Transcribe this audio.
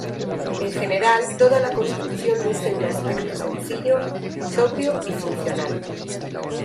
En general toda la construcción luce un aspecto sencillo, sobrio y funcional.